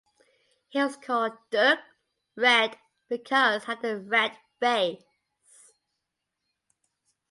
He was called "derg", red, because he had a red face.